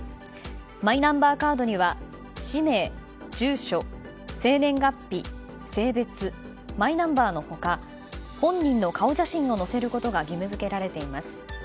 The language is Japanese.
マイナンバーカードには氏名、住所生年月日、性別マイナンバーの他本人の顔写真を載せることが義務付けられています。